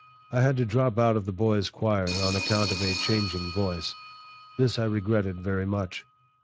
I had to drop out of the boys' choir on account of a changing voice; this I regretted very much.